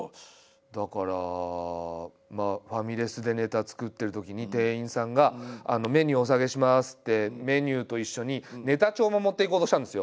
だからファミレスでネタ作ってるときに店員さんが「メニューお下げします」ってメニューと一緒にネタ帳も持っていこうとしたんですよ。